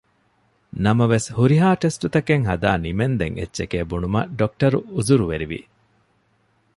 ނަމަވެސް ހުރިހާ ޓެސްޓުތަކެއް ހަދާ ނިމެންދެން އެއްޗެކޭ ބުނުމަށް ޑޮކްޓަރު އުޒުރުވެރި ވި